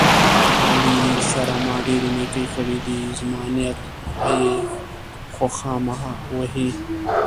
علي سره ما ډېرې نیکۍ کړې دي، زما نیت به یې خواخما وهي.